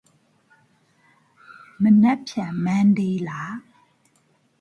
However, escape is now no longer possible.